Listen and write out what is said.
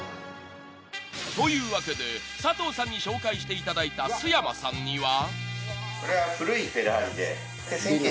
［というわけで佐藤さんに紹介していただいた須山さんには］